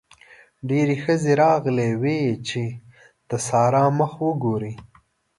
ډېرې ښځې راغلې وې چې د سارا مخ وګوري.